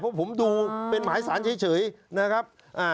เพราะผมดูเป็นหมายสารเฉยนะครับ